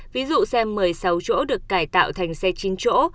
ví dụ xe một mươi sáu chỗ được cải tạo thành xe chín chỗ